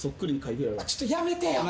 ちょっとやめてよ！